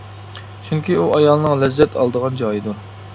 چۈنكى ئۇ ئايالنىڭ لەززەت ئالىدىغان جايىدۇر.